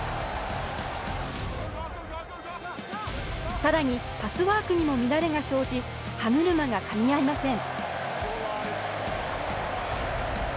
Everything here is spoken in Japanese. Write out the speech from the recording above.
さらにパスワークにも乱れが生じ歯車が、かみ合いません。